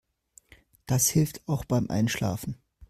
Das hilft auch beim Einschlafen.